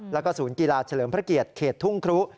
แล้วก็ศูนย์กีฬาเฉลิมพระเกียรติเขตทุ่งครุ